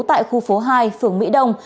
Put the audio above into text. tại khu phố hai phường mỹ đông